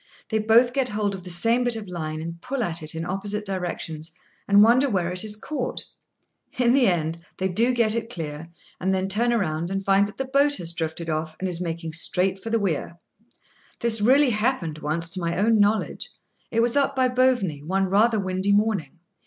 They both get hold of the same bit of line, and pull at it in opposite directions, and wonder where it is caught. In the end, they do get it clear, and then turn round and find that the boat has drifted off, and is making straight for the weir. This really happened once to my own knowledge. It was up by Boveney, one rather windy morning.